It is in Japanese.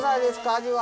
味は。